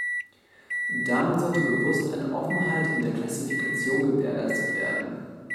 Damit sollte bewusst eine Offenheit in der Klassifikation gewährleistet werden.